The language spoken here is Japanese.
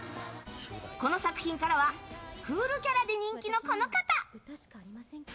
この作品からはクールキャラで人気のこの方！